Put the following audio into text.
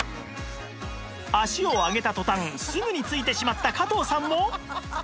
脚を上げた途端すぐについてしまったかとうさんも